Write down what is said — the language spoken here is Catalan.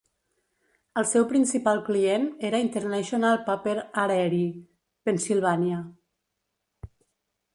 El seu principal client era International Paper a Erie, Pennsylvania.